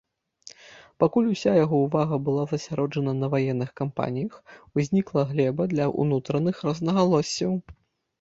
Пакуль уся яго ўвага была засяроджана на ваенных кампаніях, узнікла глеба для ўнутраных рознагалоссяў.